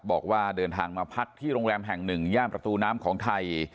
บอกว่าเดินทางมาพักที่โรงแรมแห่งหนึ่งย่านประตูน้ำของไทย